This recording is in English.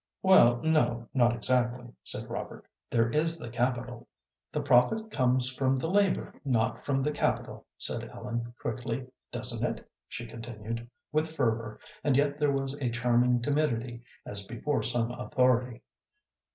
"Well, no, not exactly," said Robert. "There is the capital." "The profit comes from the labor, not from the capital," said Ellen, quickly. "Doesn't it?" she continued, with fervor, and yet there was a charming timidity, as before some authority.